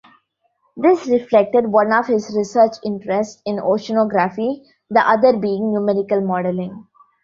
This reflected one of his research interests in oceanography, the other being numerical modelling.